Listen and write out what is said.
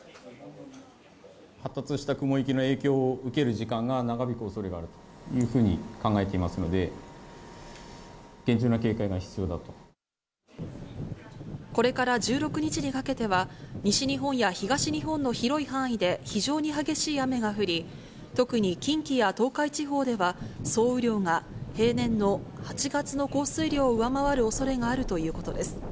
発達した雲域の影響を受ける時間が長引くおそれがあるというふうに考えていますので、厳重なこれから１６日にかけては、西日本や東日本の広い範囲で非常に激しい雨が降り、特に近畿や東海地方では、総雨量が平年の８月の降水量を上回るおそれがあるということです。